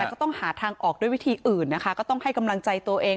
ก็ต้องหาทางออกด้วยวิธีอื่นนะคะก็ต้องให้กำลังใจตัวเอง